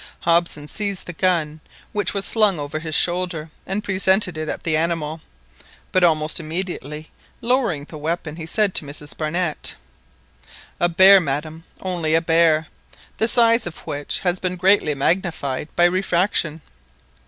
Hobson seized the gun which was slung over his shoulder and presented it at the animal, but almost immediately lowering the weapon, he said to Mrs Barnett— "A bear, madam, only a bear, the size of which has been greatly magnified by refraction."